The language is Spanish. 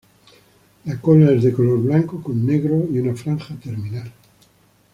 La cola es de color blanco con negro y una franja terminal.